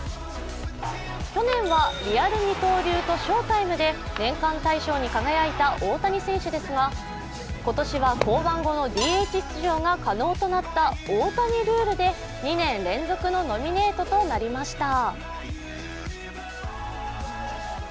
去年は「リアル二刀流」と「ショータイム」で年間大賞に輝いた大谷選手ですが今年は降板後のＤＨ出場が可能となった大谷ルールで２年連続のノミネートとなりました。